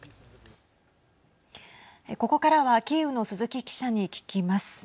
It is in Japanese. ここからはキーウの鈴木記者に聞きます。